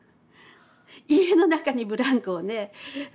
家の中にブランコをね